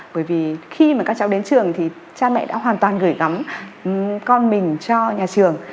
bởi vì khi mà các cháu đến trường thì cha mẹ đã hoàn toàn gửi gắm con mình cho nhà trường